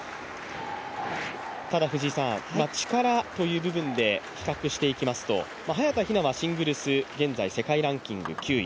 ただ、力という部分で比較していきますと、シングルス、現在世界ランキング９位。